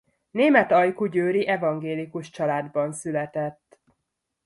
Német ajkú győri evangélikus családban született.